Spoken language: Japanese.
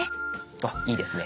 あっいいですね。